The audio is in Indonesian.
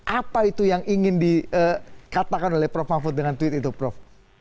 apa itu yang ingin dikatakan oleh prof mahfud dengan tweet itu prof